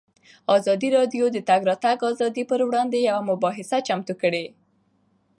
ازادي راډیو د د تګ راتګ ازادي پر وړاندې یوه مباحثه چمتو کړې.